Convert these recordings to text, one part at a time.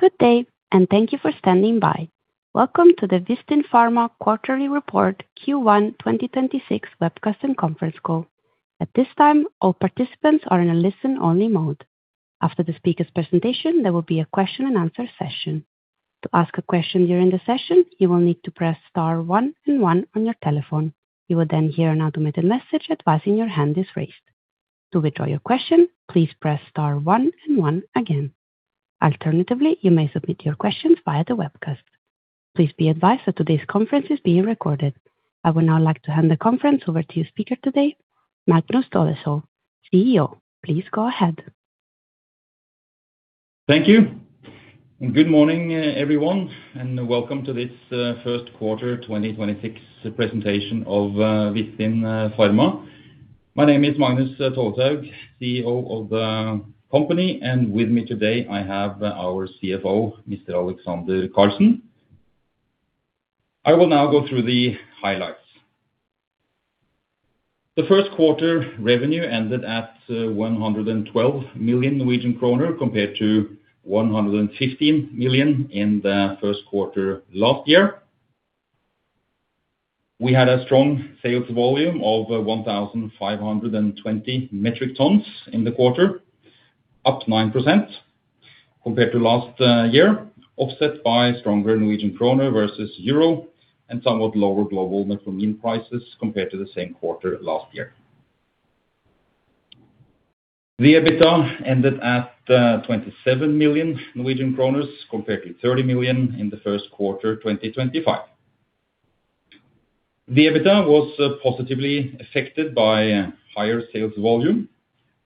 Good day, and thank you for standing by. Welcome to the Vistin Pharma Quarterly Report Q1 2026 Webcast and Conference Call. At this time, all participants are in a listen-only mode. After the speaker's presentation, there will be a question and answer session. To ask a question during the session, you will need to press star one and one on your telephone. You will then hear an automated message advising that your hand is raised. To withdraw your question, please press star one and one again. Alternatively, you may submit your questions via the webcast. Please be advised that today's conference is being recorded. I would now like to hand the conference over to your speaker today, Magnus Tolleshaug, CEO. Please go ahead. Thank you. Good morning, everyone, and welcome to this First Quarter 2026 Presentation of Vistin Pharma. My name is Magnus Tolleshaug, CEO of the company, and with me today I have our CFO, Mr. Alexander Karlsen. I will now go through the highlights. The first quarter revenue ended at 112 million Norwegian kroner, compared to 115 million in the first quarter last year. We had a strong sales volume of 1,520 metric tons in the quarter, up 9% compared to last year, offset by stronger Norwegian kroner versus euro and somewhat lower global metformin prices compared to the same quarter last year. The EBITDA ended at 27 million Norwegian kroner, compared to 30 million in the first quarter 2025. The EBITDA was positively affected by higher sales volume,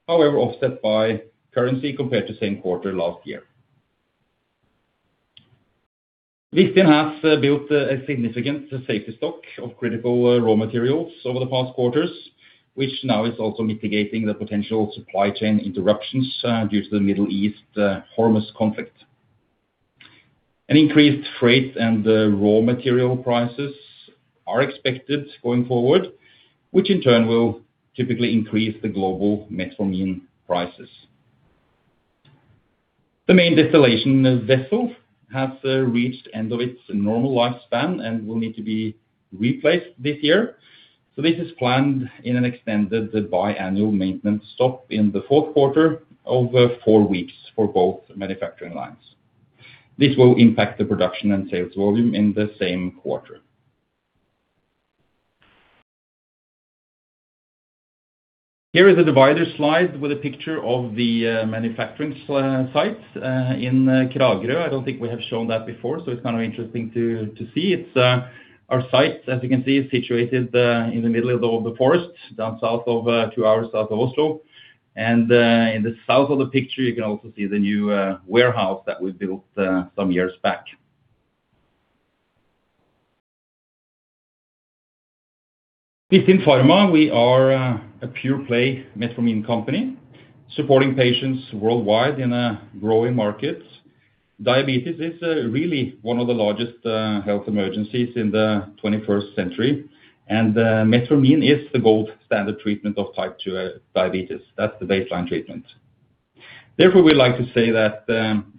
however, offset by currency compared to same quarter last year. Vistin has built a significant safety stock of critical raw materials over the past quarters, which now is also mitigating the potential supply chain interruptions due to the Middle East Hormuz conflict. An increased freight and raw material prices are expected going forward, which in turn will typically increase the global metformin prices. The main distillation vessel has reached end of its normal lifespan and will need to be replaced this year. This is planned in an extended biannual maintenance stop in the fourth quarter over four weeks for both manufacturing lines. This will impact the production and sales volume in the same quarter. Here is a divider slide with a picture of the manufacturing site in Kragerø. I don't think we have shown that before, so it's kind of interesting to see. Our site, as you can see, is situated in the middle of the forest, down south of two hours south of Oslo. In the south of the picture, you can also see the new warehouse that we built some years back. Vistin Pharma, we are a pure-play metformin company supporting patients worldwide in a growing market. Diabetes is really one of the largest health emergencies in the 21st century, and metformin is the gold standard treatment of type 2 diabetes. That's the baseline treatment. Therefore, we like to say that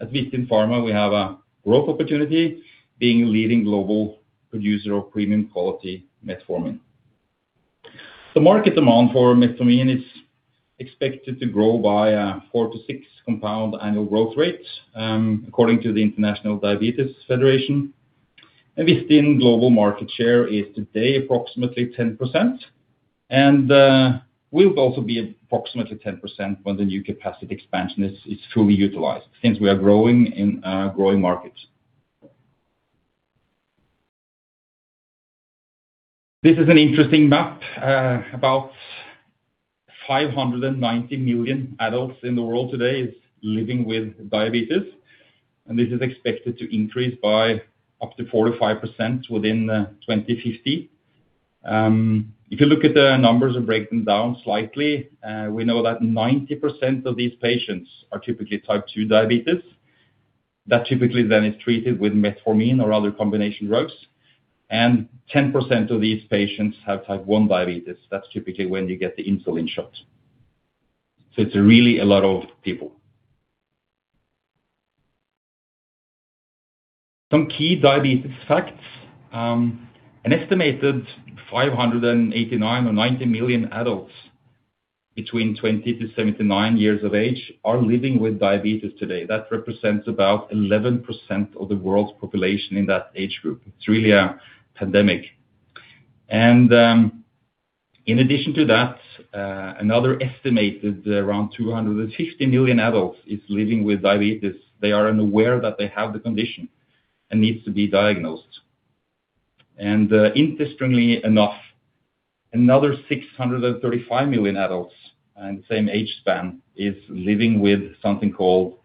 at Vistin Pharma, we have a growth opportunity being leading global producer of premium quality metformin. The market demand for metformin is expected to grow by a 4%-6% compound annual growth rate, according to the International Diabetes Federation. Vistin global market share is today approximately 10% and will also be approximately 10% when the new capacity expansion is fully utilized since we are growing in a growing market. This is an interesting map. About 590 million adults in the world today is living with diabetes, and this is expected to increase by up to 4%-5% within 2050. If you look at the numbers and break them down slightly, we know that 90% of these patients are typically type 2 diabetes. That typically then is treated with metformin or other combination drugs, and 10% of these patients have type 1 diabetes. That's typically when you get the insulin shots. It's really a lot of people. Some key diabetes facts. An estimated 589 or 590 million adults between 20-79 years of age are living with diabetes today. That represents about 11% of the world's population in that age group. It's really a pandemic. In addition to that, another estimated around 250 million adults is living with diabetes. They are unaware that they have the condition and needs to be diagnosed. Interestingly enough, another 635 million adults in the same age span is living with something called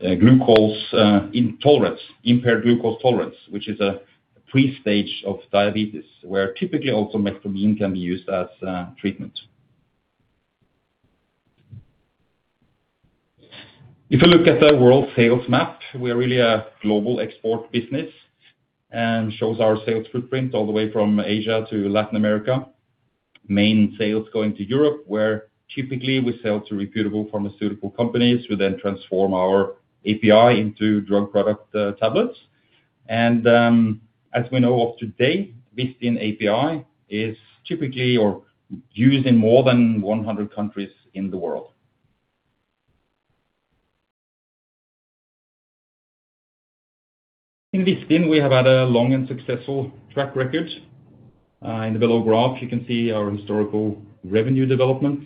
impaired glucose tolerance, which is a pre-stage of diabetes where typically also metformin can be used as treatment. If you look at the world sales map, we are really a global export business and shows our sales footprint all the way from Asia to Latin America. Main sales going to Europe, where typically we sell to reputable pharmaceutical companies who then transform our API into drug product tablets. As we know of today, Vistin API is typically used in more than 100 countries in the world. In Vistin, we have had a long and successful track record. In the below graph, you can see our historical revenue development.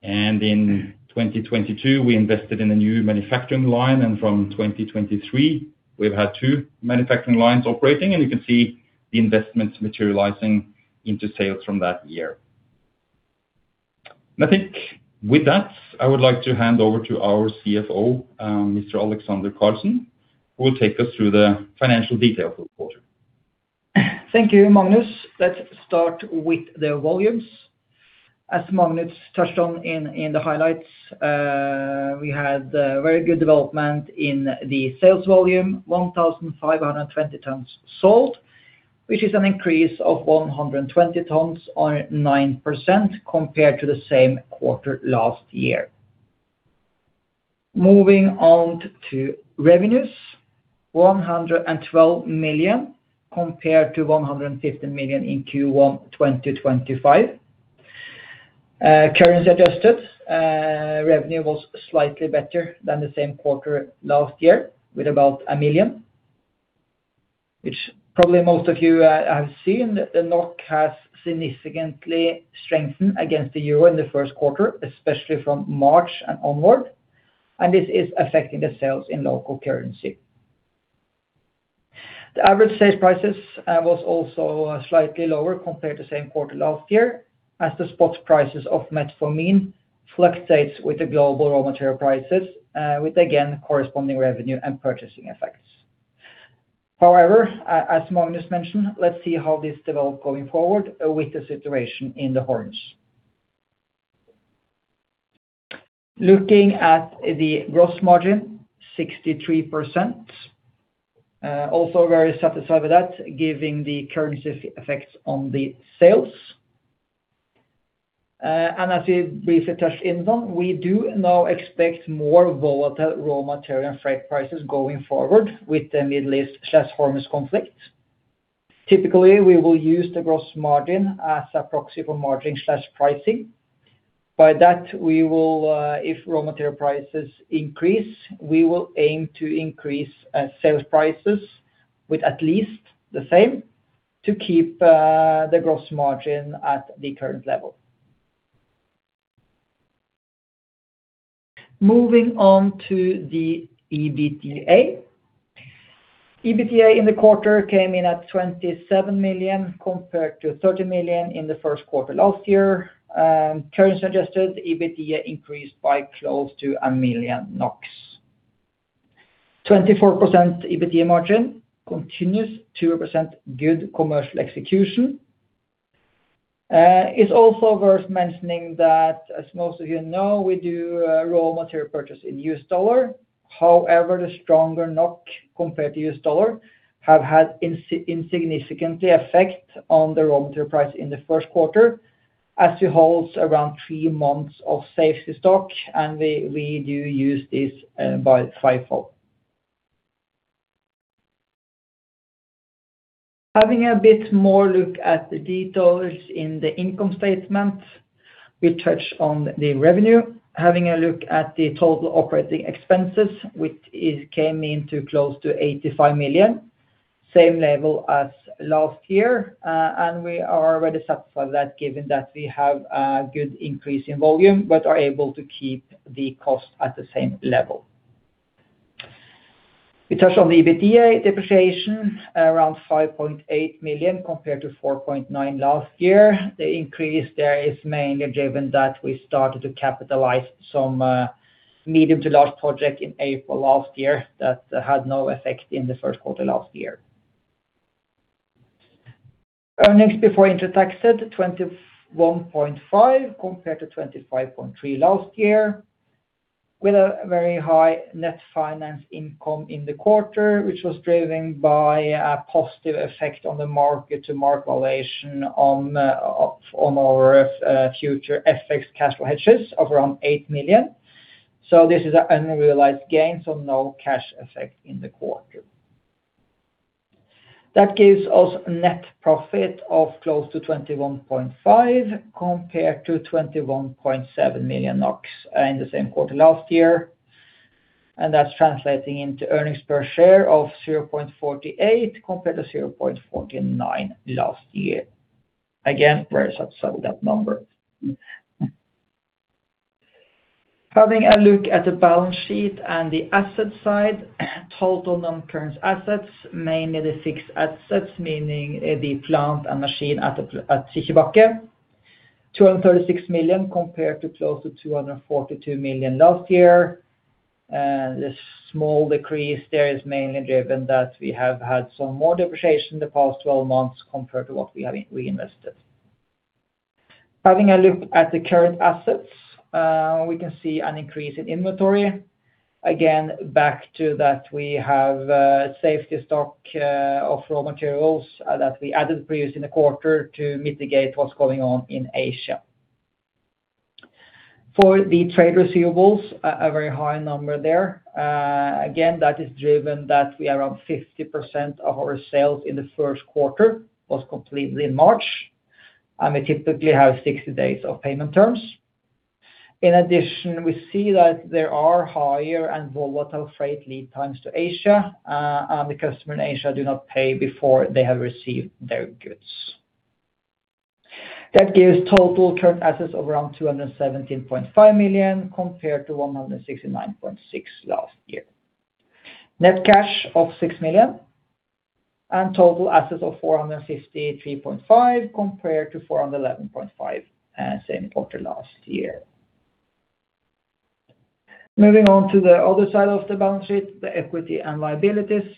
In 2022, we invested in a new manufacturing line, and from 2023, we've had two manufacturing lines operating, and you can see the investments materializing into sales from that year. I think with that, I would like to hand over to our CFO, Mr. Alexander Karlsen, who will take us through the financial details of the quarter. Thank you, Magnus. Let's start with the volumes. As Magnus touched on in the highlights, we had very good development in the sales volume, 1,520 tons sold, which is an increase of 120 tons or 9% compared to the same quarter last year. Moving on to revenues. 112 million, compared to 115 million in Q1 2025. Currency adjusted, revenue was slightly better than the same quarter last year, with about 1 million, which probably most of you have seen, the NOK has significantly strengthened against the euro in the first quarter, especially from March and onward, and this is affecting the sales in local currency. The average sales prices was also slightly lower compared to same quarter last year, as the spot prices of metformin fluctuates with the global raw material prices, with again, corresponding revenue and purchasing effects. However, as Magnus mentioned, let's see how this develop going forward with the situation in the Hormuz. Looking at the gross margin, 63%. Also very satisfied with that, giving the currency effects on the sales. As we briefly touched in on, we do now expect more volatile raw material and freight prices going forward with the Middle East/Hormuz conflict. Typically, we will use the gross margin as a proxy for margin/pricing. By that, if raw material prices increase, we will aim to increase sales prices with at least the same to keep the gross margin at the current level. Moving on to the EBITDA. EBITDA in the quarter came in at 27 million compared to 30 million in the first quarter last year. Currency adjusted, EBITDA increased by close to 1 million NOK. 24% EBITDA margin continues to represent good commercial execution. It's also worth mentioning that, as most of you know, we do raw material purchase in US dollar. However, the stronger NOK compared to US dollar have had insignificant effect on the raw material price in the first quarter as we hold around three months of safety stock and we do use this by FIFO. Having a bit more look at the details in the income statement. We touched on the revenue. Having a look at the total operating expenses, which it came in to close to 85 million, same level as last year. We are already satisfied with that given that we have a good increase in volume but are able to keep the cost at the same level. We touched on the EBITDA depreciation, around 5.8 million compared to 4.9 million last year. The increase there is mainly driven that we started to capitalize some medium to large project in April last year that had no effect in the first quarter last year. Earnings before interest and tax at 21.5 million compared to 25.3 million last year, with a very high net finance income in the quarter, which was driven by a positive effect on the mark-to-market valuation on our future FX cash hedges of around 8 million. This is an unrealized gain, so no cash effect in the quarter. That gives us a net profit of close to 21.5 million compared to 21.7 million NOK in the same quarter last year. That's translating into earnings per share of 0.48 compared to 0.49 last year. Again, very satisfied with that number. Having a look at the balance sheet and the asset side, total non-current assets, mainly the fixed assets, meaning the plant and machine at Fikkjebakke. 236 million compared to close to 242 million last year. The small decrease there is mainly driven that we have had some more depreciation in the past 12 months compared to what we have reinvested. Having a look at the current assets, we can see an increase in inventory. Again, back to that we have safety stock of raw materials that we added previously in the quarter to mitigate what's going on in Asia. For the trade receivables, a very high number there. Again, that is driven that we are on 50% of our sales in the first quarter was completely in March, and we typically have 60 days of payment terms. In addition, we see that there are higher and volatile freight lead times to Asia, and the customer in Asia do not pay before they have received their goods. That gives total current assets of around 217.5 million compared to 169.6 million last year. Net cash of 6 million and total assets of 453.5 million compared to 411.5 million same quarter last year. Moving on to the other side of the balance sheet, the equity and liabilities.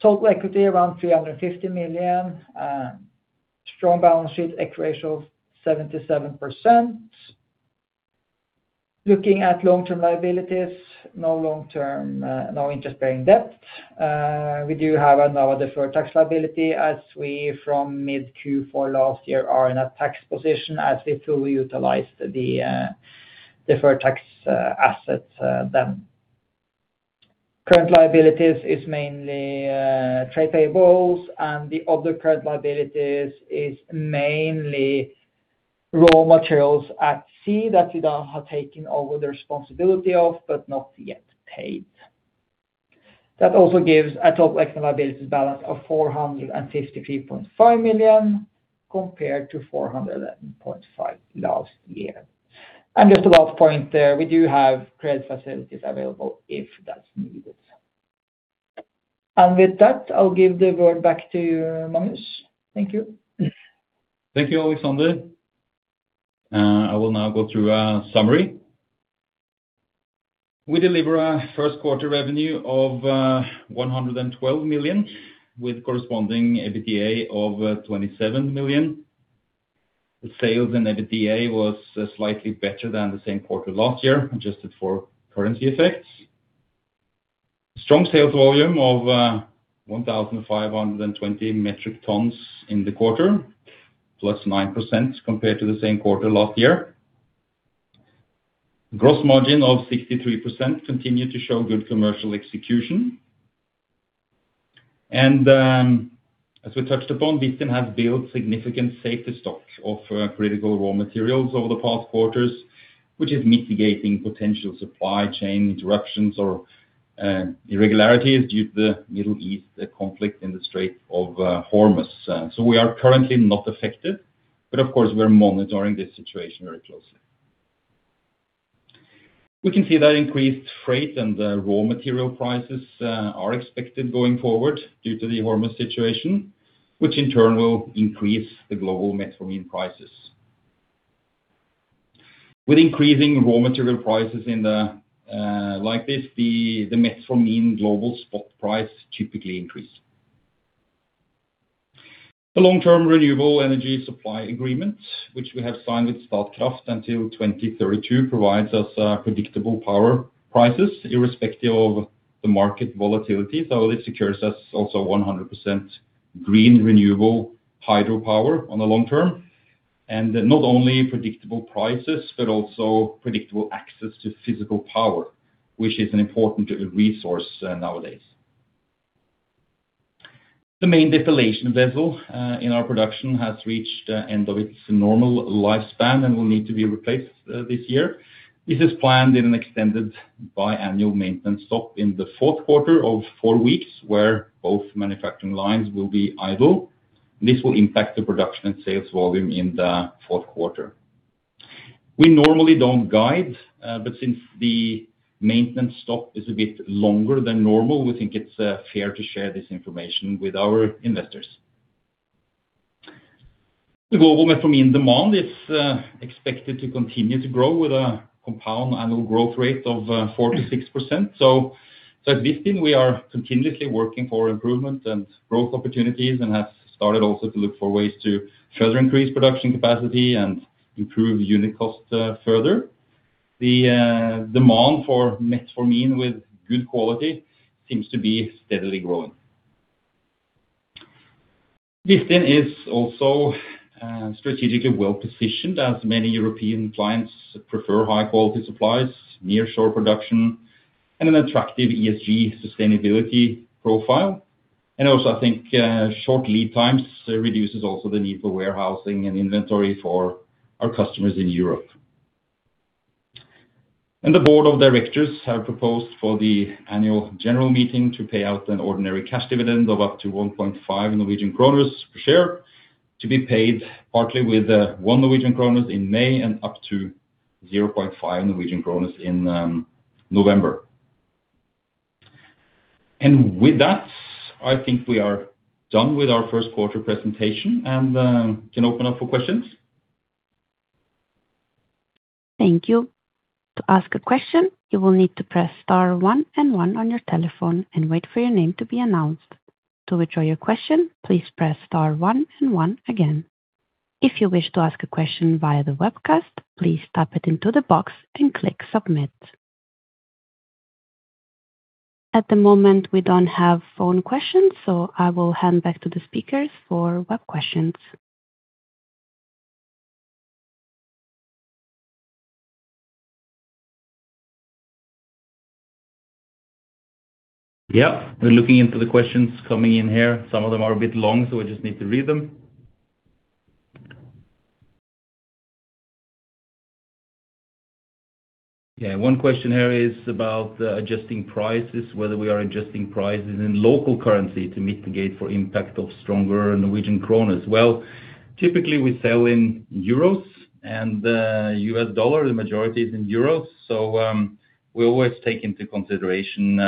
Total equity around 350 million. Strong balance sheet, equity ratio of 77%. Looking at long-term liabilities, no long-term, no interest-bearing debt. We do have now a deferred tax liability as we from mid Q4 last year are in a tax position as we fully utilized the deferred tax assets then. Current liabilities is mainly trade payables and the other current liabilities is mainly raw materials at sea that we now have taken over the responsibility of but not yet paid. That also gives a total economic liabilities balance of 453.5 million compared to 411.5 million last year. Just a point there, we do have credit facilities available if that's needed. With that, I'll give the word back to Magnus. Thank you. Thank you, Alexander. I will now go through a summary. We deliver a first quarter revenue of 112 million with corresponding EBITDA of 27 million. The sales and EBITDA was slightly better than the same quarter last year, adjusted for currency effects. Strong sales volume of 1,520 metric tons in the quarter, +9% compared to the same quarter last year. Gross margin of 63% continue to show good commercial execution. As we touched upon, Vistin has built significant safety stocks of critical raw materials over the past quarters, which is mitigating potential supply chain interruptions or irregularities due to the Middle East conflict in the Strait of Hormuz. We are currently not affected, but of course, we're monitoring this situation very closely. We can see that increased freight and raw material prices are expected going forward due to the Hormuz situation, which in turn will increase the global metformin prices. With increasing raw material prices like this, the metformin global spot price typically increase. The long-term renewable energy supply agreement, which we have signed with Statkraft until 2032, provides us predictable power prices irrespective of the market volatility, so it secures us also 100% green renewable hydro power on the long-term. Not only predictable prices, but also predictable access to physical power, which is an important resource nowadays. The main distillation vessel in our production has reached the end of its normal lifespan and will need to be replaced this year. This is planned in an extended biannual maintenance stop in the fourth quarter of four weeks, where both manufacturing lines will be idle. This will impact the production and sales volume in the fourth quarter. We normally don't guide, but since the maintenance stop is a bit longer than normal, we think it's fair to share this information with our investors. The global metformin demand is expected to continue to grow with a compound annual growth rate of 4%-6%. At Vistin, we are continuously working for improvement and growth opportunities and have started also to look for ways to further increase production capacity and improve unit cost further. The demand for metformin with good quality seems to be steadily growing. Vistin is also strategically well-positioned as many European clients prefer high-quality supplies, near-shore production, and an attractive ESG sustainability profile. I think short lead times reduces also the need for warehousing and inventory for our customers in Europe. The board of directors have proposed for the annual general meeting to pay out an ordinary cash dividend of up to 1.5 Norwegian kroner per share to be paid partly with 1 Norwegian kroner in May and up to 0.5 Norwegian kroner in November. With that, I think we are done with our first-quarter presentation and can open up for questions. Thank you. To ask a question, you will need to press star one and one on your telephone and wait for your name to be announced. To withdraw your question, please press star one and one again. If you wish to ask a question via the webcast, please type it into the box, then click submit. At the moment, we don't have phone questions, so I will hand back to the speakers for web questions. Yeah. We're looking into the questions coming in here. Some of them are a bit long, so I just need to read them. One question here is about adjusting prices, whether we are adjusting prices in local currency to mitigate for impact of stronger Norwegian kroner. Well, typically, we sell in euros and US dollar. The majority is in euros. We always take into consideration,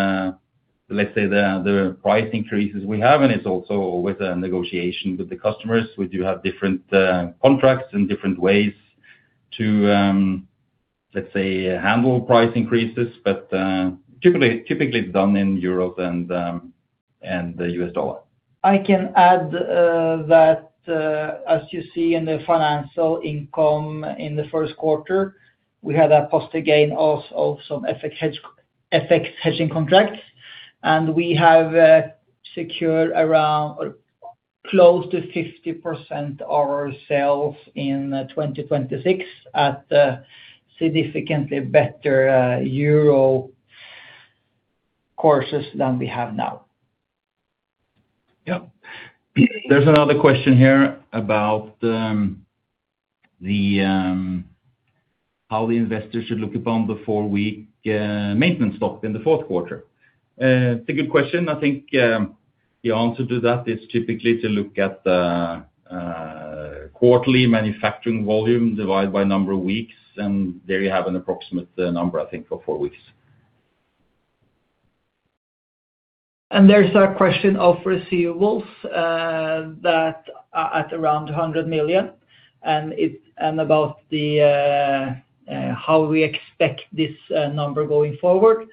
let's say the price increases we have, and it's also with a negotiation with the customers. We do have different contracts and different ways to, let's say, handle price increases. Typically it's done in Europe and the US dollar. I can add that, as you see in the financial income in the first quarter, we had a positive gain of some FX hedging contracts, and we have secured around close to 50% of our sales in 2026 at significantly better euro [rates] than we have now. Yeah. There's another question here about how the investor should look upon the four-week maintenance stock in the fourth quarter. It's a good question. I think the answer to that is typically to look at the quarterly manufacturing volume divided by number of weeks, and there you have an approximate number, I think, for four weeks. There's a question of receivables that are at around 100 million, and about how we expect this number going forward.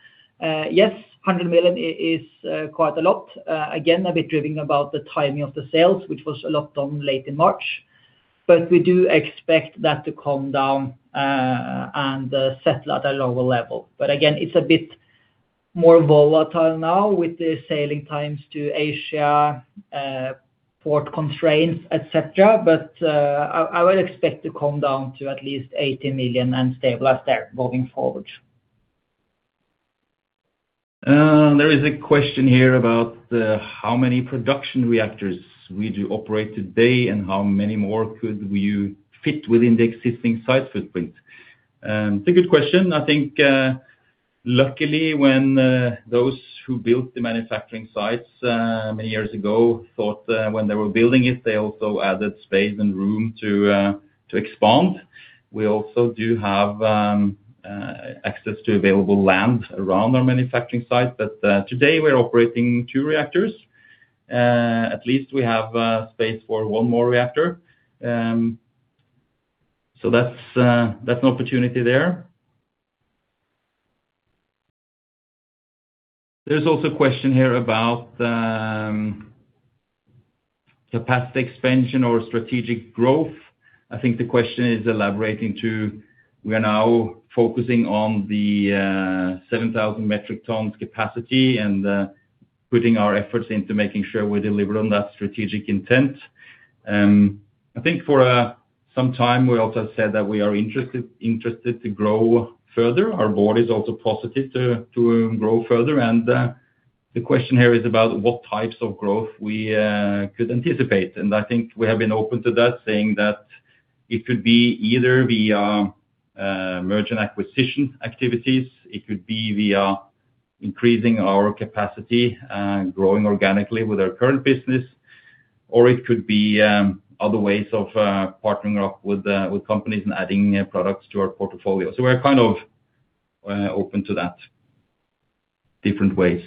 Yes, 100 million is quite a lot. Again, a bit driven about the timing of the sales, which was a lot done late in March. We do expect that to come down and settle at a lower level. Again, it's a bit more volatile now with the sailing times to Asia, port constraints, etc. I would expect to come down to at least 80 million and stabilize there moving forward. There is a question here about how many production reactors we do operate today, and how many more could we fit within the existing site footprint? It's a good question. I think, luckily, when those who built the manufacturing sites many years ago thought when they were building it, they also added space and room to expand. We also do have access to available land around our manufacturing site. Today we're operating two reactors. At least we have space for one more reactor. That's an opportunity there. There's also a question here about the past expansion or strategic growth. I think the question is elaborating to, we are now focusing on the 7,000 metric tons capacity and putting our efforts into making sure we deliver on that strategic intent. I think for some time, we also said that we are interested to grow further. Our board is also positive to grow further. The question here is about what types of growth we could anticipate, and I think we have been open to that, saying that it could be either via merger acquisition activities, it could be via increasing our capacity, growing organically with our current business, or it could be other ways of partnering up with companies and adding products to our portfolio. We're kind of open to that. Different ways.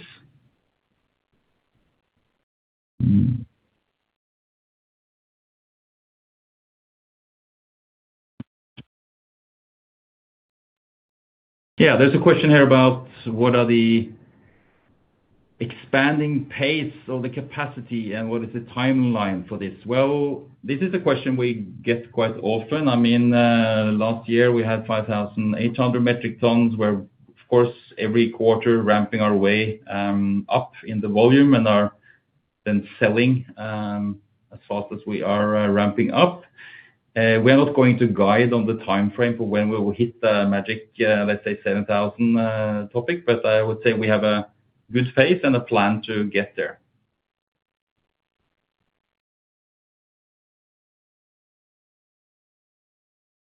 Yeah. There's a question here about what are the expansion pace or the capacity, and what is the timeline for this. Well, this is a question we get quite often. Last year we had 5,800 metric tons. We're, of course, every quarter ramping our way up in the volume and are then selling as fast as we are ramping up. We're not going to guide on the time frame for when we will hit the magic, let's say, 7,000 [ton]. I would say we have a good pace and a plan to get there.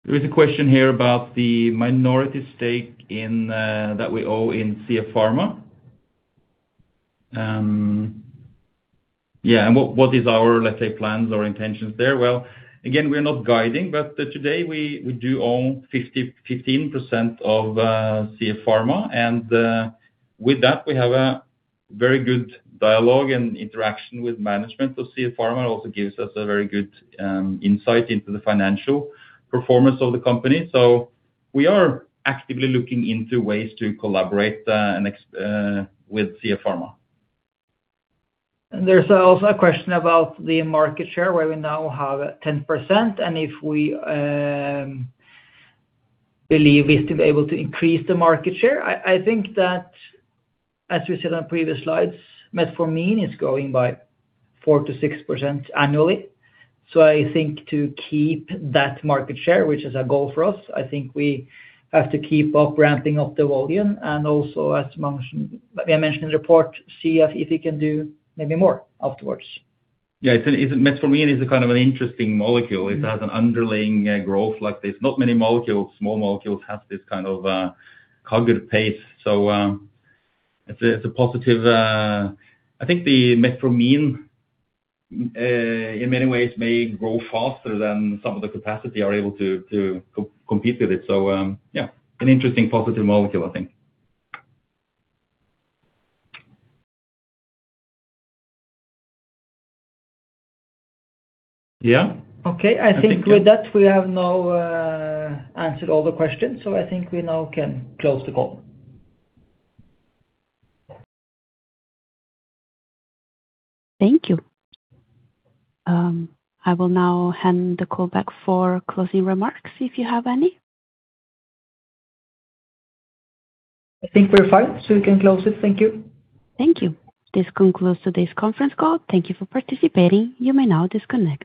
There is a question here about the minority stake that we own in CF Pharma. Yeah. What is our, let's say, plans or intentions there? Well, again, we are not guiding, but today we do own 15% of CF Pharma, and with that, we have a very good dialogue and interaction with management of CF Pharma. Also gives us a very good insight into the financial performance of the company. We are actively looking into ways to collaborate with CF Pharma. There's also a question about the market share, where we now have 10%, and if we believe we're still able to increase the market share. I think that, as we said on previous slides, metformin is growing by 4%-6% annually. I think to keep that market share, which is a goal for us, I think we have to keep up ramping-up the volume, and also, as I mentioned in the report, see if it can do maybe more afterwards. Yeah. metformin is a kind of an interesting molecule. It has an underlying growth like this. Not many molecules, small molecules, have this kind of CAGR pace. It's a positive. I think the metformin in many ways may grow faster than some of the capacity are able to compete with it. Yeah, an interesting positive molecule, I think. Yeah. Okay. I think with that, we have now answered all the questions, so I think we now can close the call. Thank you. I will now hand the call back for closing remarks, if you have any. I think we're fine. We can close it. Thank you. Thank you. This concludes today's conference call. Thank you for participating. You may now disconnect.